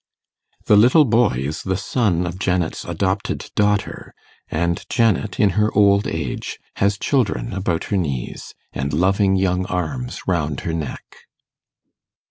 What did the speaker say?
The little boy is the son of Janet's adopted daughter, and Janet in her old age has children about her knees, and loving young arms round her neck.